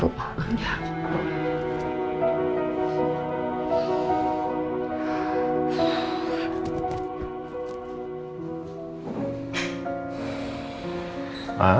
ya ada perkembangan ya